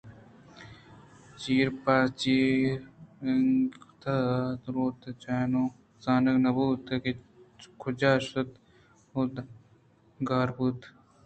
چِیر پہ چِیرّی دیان کُتءُدور تاچینت ءُانوں آ زانگ نہ بوت کہ کجا شُت ءُگار بوت